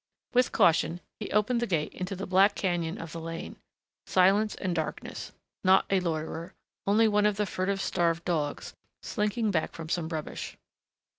With caution he opened the gate into the black canyon of the lane. Silence and darkness. Not a loiterer, only one of the furtive starved dogs, slinking back from some rubbish....